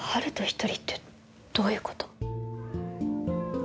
一人ってどういうこと？